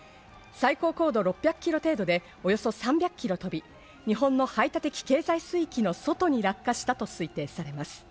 最高高度６００ｋｍ程度で、およそ３００キロ飛び、日本の排他的経済水域の外に落下したと推定されています。